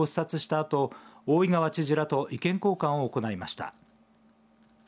あと大井川知事らと意見交換を行いました。